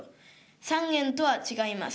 三円とは違います。